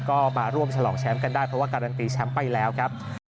ก็มาร่วมฉลองแชมป์กันได้เพราะว่าการันตีแชมป์ไปแล้วครับ